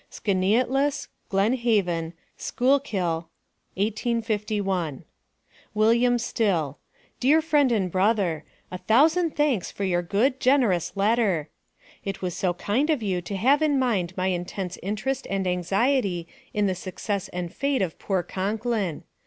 SKANEATELES (GLEN HAVEN) CHUY., 1851. WILLIAM STILL: Dear Friend and Brother A thousand thanks for your good, generous letter! It was so kind of you to have in mind my intense interest and anxiety in the success and fate of poor Concklin!